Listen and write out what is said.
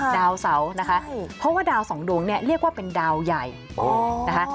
ดาวเสานะคะเพราะว่าดาวสองดวงเนี่ยเรียกว่าเป็นดาวใหญ่นะคะ